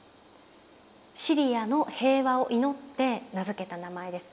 シリアの平和を祈って名付けた名前です。